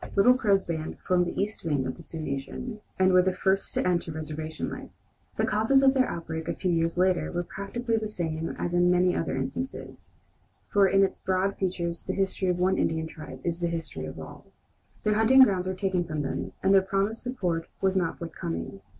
Little Crow's band formed the east wing of the Sioux nation, and were the first to enter reservation life. The causes of their outbreak, a few years later, were practically the same as in many other instances, for in its broad features the history of one Indian tribe is the history of all. Their hunting grounds were taken from them, and the promised support was not forthcoming.